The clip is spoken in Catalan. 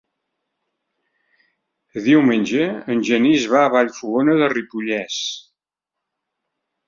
Diumenge en Genís va a Vallfogona de Ripollès.